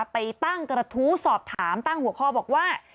ไปตั้งกระทู้สอบถามตั้งหัวข้อบอกว่า